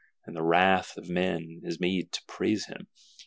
and the wrath of men is made to praise Him.